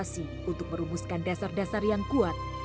seperti oh disebut